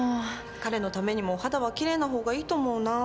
彼のためにもお肌はきれいなほうがいいと思うな。